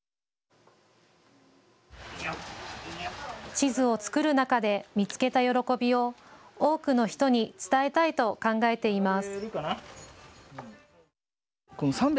地図を作る中で見つけた喜びを多くの人に伝えたいと考えています。